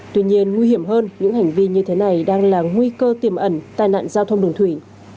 tuy nhiên nguy hiểm hơn những hành vi như thế này đang là nguy cơ tiềm ẩn tai nạn giao thông đường thủy